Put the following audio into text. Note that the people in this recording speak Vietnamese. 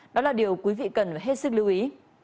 đó là điều quý vị cần phải hết sức lưu ý